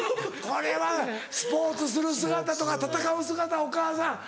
これはスポーツする姿とか戦う姿お母さん